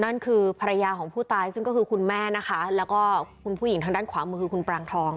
นั่นคือภรรยาของผู้ตายซึ่งก็คือคุณแม่นะคะแล้วก็คุณผู้หญิงทางด้านขวามือคือคุณปรางทอง